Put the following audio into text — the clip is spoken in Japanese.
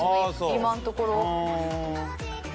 今のところ。